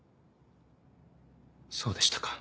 そうでしたか。